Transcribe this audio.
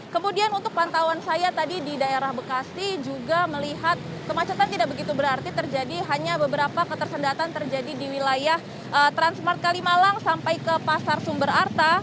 kemudian untuk pantauan saya tadi di daerah bekasi juga melihat kemacetan tidak begitu berarti terjadi hanya beberapa ketersendatan terjadi di wilayah transmart kalimalang sampai ke pasar sumber arta